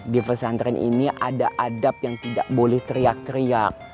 di pesantren ini ada adab yang tidak boleh teriak teriak